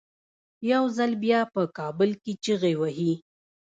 یو ځل بیا په کابل کې چیغې وهي.